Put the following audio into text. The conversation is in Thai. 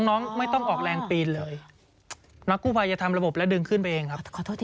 น้องไม่ต้องออกแรงปีนเลยนักกู้ภัยจะทำระบบแล้วดึงขึ้นไปเองครับ